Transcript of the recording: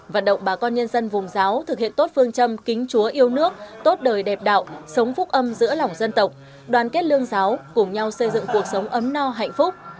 vận động bà con nhân dân vùng giáo thực hiện tốt phương châm kính chúa yêu nước tốt đời đẹp đạo sống phúc âm giữa lòng dân tộc đoàn kết lương giáo cùng nhau xây dựng cuộc sống ấm no hạnh phúc